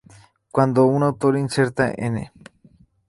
Cuando un autor inserta “n.